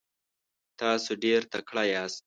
تاسو ډیر تکړه یاست.